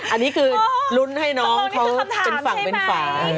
อันนี้คือลุ้นให้น้องเขาเป็นฝั่งเป็นฝา